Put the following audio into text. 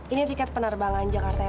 ini tiket penerbangan jakarta ya